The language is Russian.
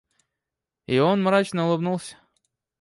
И он мрачно улыбнулся.